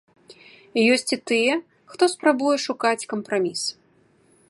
Ёсць і тыя, хто спрабуе шукаць кампраміс.